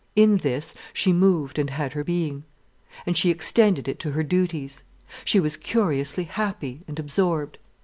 In this she moved and had her being. And she extended it to her duties. She was curiously happy and absorbed.